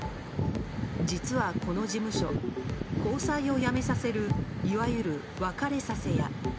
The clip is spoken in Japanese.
実はこの事務所交際をやめさせるいわゆる別れさせ屋。